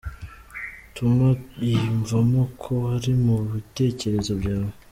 Tuma yiyumvamo ko ari mu bitekerezo byawe.